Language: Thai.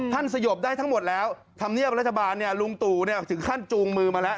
สยบได้ทั้งหมดแล้วธรรมเนียบรัฐบาลลุงตู่ถึงขั้นจูงมือมาแล้ว